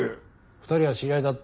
２人は知り合いだった。